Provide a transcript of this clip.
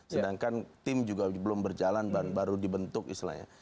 sedangkan tim juga belum berjalan dan baru dibentuk istilahnya